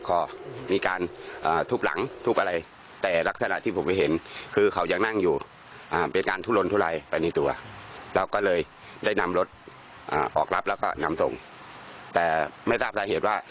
ออกรับแล้วก็นำส่งแต่ไม่ทราบราเหตุว่า